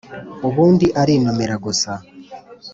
ubundi arinumira gusa